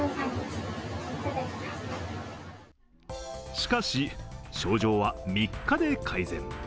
しかし、症状は３日で改善。